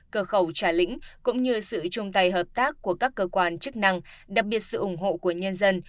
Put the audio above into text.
cửa khẩu trà lĩnh cũng như sự chung tay hợp tác của các cơ quan chức năng đặc biệt sự ủng hộ của nhân dân